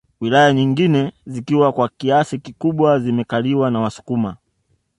Wilaya nyingine zikiwa kwa kiasi kikubwa zimekaliwa na wasukuma